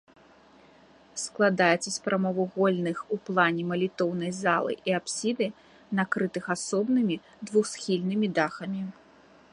Складаецца з прамавугольных у плане малітоўнай залы і апсіды, накрытых асобнымі двухсхільнымі дахамі.